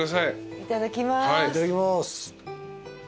いただきます。